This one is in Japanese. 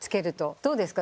どうですか？